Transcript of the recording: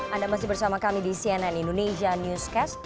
anda masih bersama kami di cnn indonesia newscast